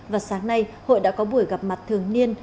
và sáng nay hội đã có buổi gặp mặt thường niên